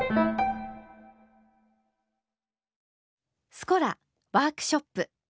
「スコラワークショップ」。